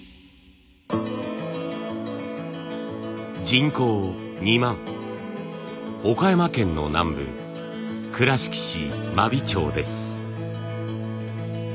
人口２万岡山県の南部倉敷市真備町です。